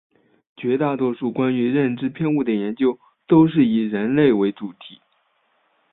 绝大多数关于认知偏误的研究都是以人类为主体。